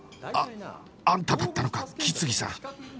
あっあんただったのか木次さん